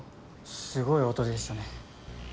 すごい音でしたね。